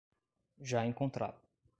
Já encontrado